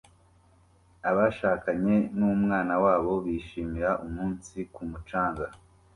Abashakanye n'umwana wabo bishimira umunsi ku mucanga